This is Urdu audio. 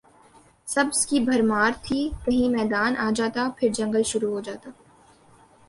سبزہ کی بھرمار تھی کہیں میدان آ جاتا پھر جنگل شروع ہو جاتا